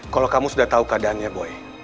kalau kamu sudah tahu keadaannya boy